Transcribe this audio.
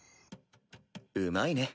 うまいね。